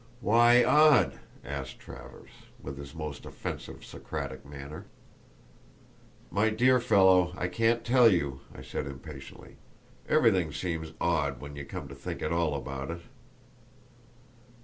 "Why odd?" asked Frank Travers, with his most offensive Socratic manner. "My dear fellow, I can't tell you," I said, impatiently; "everything seems odd when you come to think at all about it."